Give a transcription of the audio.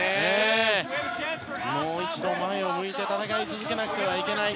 もう一度前を向いて戦い続けないといけない。